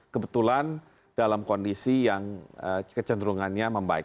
kebetulan dalam kondisi yang kecenderungannya membaik